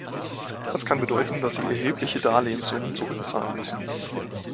Das kann bedeuten, dass sie erhebliche Darlehenssummen zurückzahlen müssen.